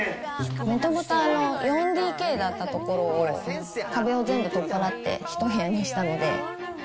もともと４ＤＫだったところを、壁を全部取っ払って一部屋にしたので。